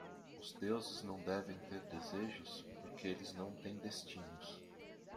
Os deuses não devem ter desejos? porque eles não têm destinos.